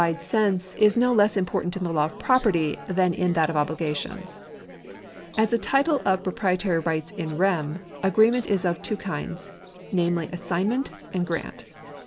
§163] THE LAW OF PROPERTY 413 sense is no less important in the law of property than in that of obligations. As a title of proprietary rights in rem, agreement is of two kinds, namely assignment and grant.